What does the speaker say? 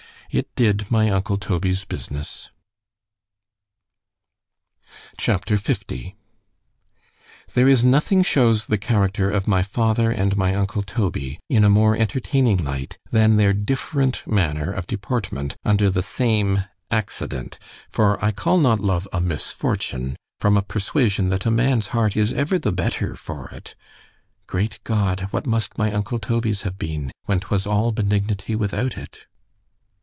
——It did my uncle Toby's business. C H A P. L THERE is nothing shews the character of my father and my uncle Toby, in a more entertaining light, than their different manner of deportment, under the same accident——for I call not love a misfortune, from a persuasion, that a man's heart is ever the better for it——Great God! what must my uncle Toby's have been, when 'twas all benignity without it.